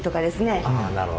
あなるほど。